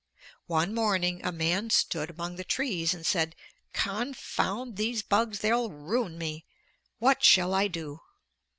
One morning a man stood among the trees and said, 'Confound these bugs; they'll ruin me; what shall I do?'